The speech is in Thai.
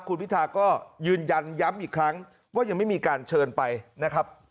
คุณพิธาก็ยืนยันย้ำอีกครั้งว่ายังไม่มีการเชิญไปนะครับ